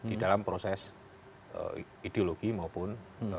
di dalam proses ideologi maupun